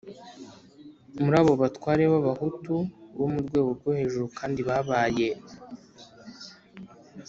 muri abo batware b'abahutu bo rwego rwo hejuru kandi babaye